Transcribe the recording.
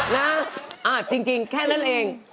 นะจริงแค่นั้นเอง